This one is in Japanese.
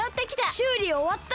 しゅうりおわった？